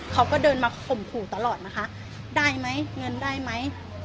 เขาก็เดินมาข่มขู่ตลอดนะคะได้ไหมเงินได้ไหม